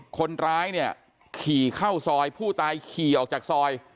คนร้ายเนี่ยขี่เข้าซอยผู้ตายขี่ออกจากซอย